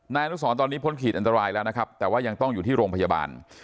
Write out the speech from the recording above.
นายอนุสรตอนนี้พ้นขีดอันตรายแล้วนะครับแต่ว่ายังต้องอยู่ที่โรงพยาบาล